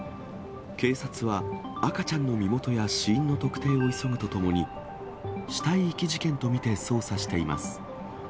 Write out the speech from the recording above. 警察は赤ちゃんの身元や、死因の特定を急ぐとともに、死体遺棄事件と見て捜査しています。